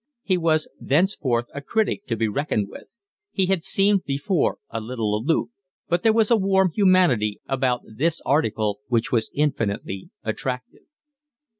He was thenceforth a critic to be reckoned with. He had seemed before a little aloof; but there was a warm humanity about this article which was infinitely attractive.